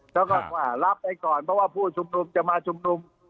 แล้วก็ว่ารับไปก่อนเพราะว่าผู้ชุมนุมจะมาชุมนุม